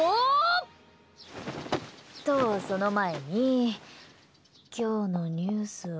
っと、その前に今日のニュースを。